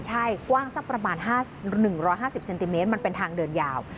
ใช่กว้างสักประมาณ๑๕๐เซนติเมตรมันเป็นทางเดินยาว